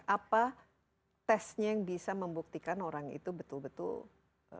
apa tesnya yang bisa membuktikan orang itu betul betul